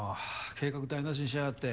計画台なしにしやがって。